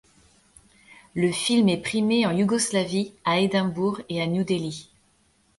Le film est primé en Yougoslavie, à Édimbourg et à New Delhi.